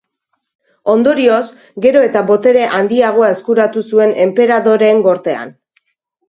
Ondorioz, gero eta botere handiagoa eskuratu zuen enperadoreen gortean.